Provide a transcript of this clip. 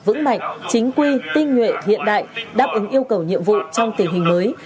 vững mạnh chính quy tinh nhuệ hiện đại đáp ứng yêu cầu nhiệm vụ trong tình hình mới